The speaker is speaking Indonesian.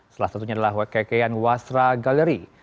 salah satunya adalah kekean wasra gallery